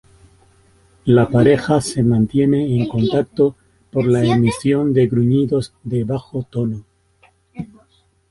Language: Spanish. La pareja se mantiene en contacto por la emisión de gruñidos de bajo tono.